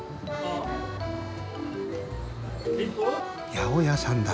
八百屋さんだ。